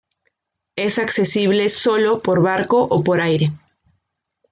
Es accesible sólo por barco o por aire.